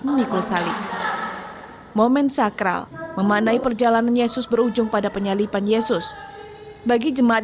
mengikul salib momen sakral memandai perjalanan yesus berujung pada penyalipan yesus bagi jemaat